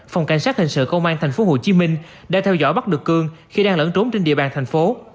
phòng cảnh sát hình sự công an tp hcm đã theo dõi bắt được cương khi đang lẫn trốn trên địa bàn thành phố